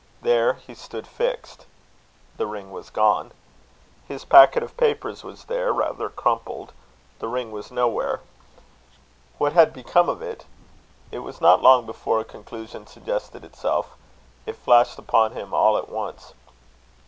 There he stood fixed. The ring was gone. His packet of papers was there, rather crumpled: the ring was nowhere. What had become of it? It was not long before a conclusion suggested itself. It flashed upon him all at once.